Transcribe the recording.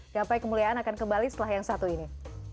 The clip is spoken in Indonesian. gapai kemuliaan akan kembali setelah yang satu ini